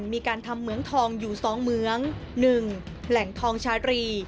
มีการทำเหมืองทองอยู่๒เหมือง๑แหล่งทองชาตรี